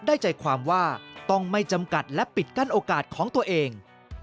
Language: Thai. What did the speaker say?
ได้ใจความว่าต้องไม่จำกัดและปิดกั้นโอกาสของตัวเอง